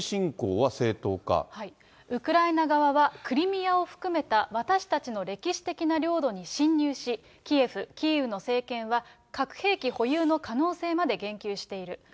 ウクライナ側は、クリミアを含めた私たちの歴史的な領土に侵入し、キエフ、キーウの政権は核兵器保有の可能性まで言及している。